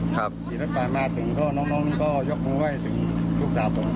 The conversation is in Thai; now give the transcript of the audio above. ขี่รถผ่านมาถึงก็น้องนี่ก็ยกมือไหว้ถึงลูกสาวผม